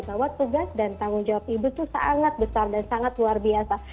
bahwa tugas dan tanggung jawab ibu itu sangat besar dan sangat luar biasa